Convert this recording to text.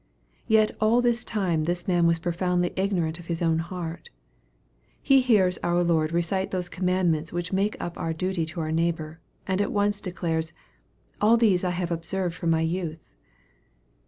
Yet all this time this man was profoundly igno rant of his own heart. He hears our Lord recite those commandments which make up our duty to our neighbor, and at once declares, " All these have I observed from my youth."